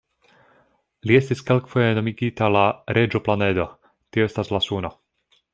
Li estis kelkfoje nomigita la "Reĝo-Planedo", tio estas la Suno.